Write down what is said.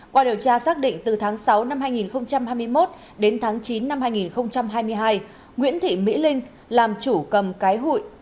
qua điều tra xác định từ tháng sáu năm hai nghìn hai mươi một đến tháng chín năm hai nghìn hai mươi hai nguyễn thị mỹ linh làm chủ cầm cái hụi